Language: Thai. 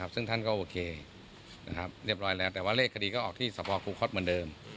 ซึ่งท่านก็โอเคเรียบร้อยแล้วแต่ว่าเลขคดีก็ออกที่สภครูคศเหมือนเดิม